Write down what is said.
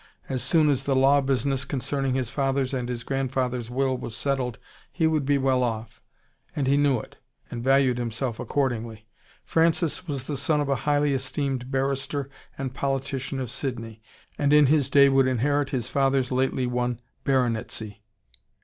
As soon as the law business concerning his father's and his grandfather's will was settled, he would be well off. And he knew it, and valued himself accordingly. Francis was the son of a highly esteemed barrister and politician of Sydney, and in his day would inherit his father's lately won baronetcy.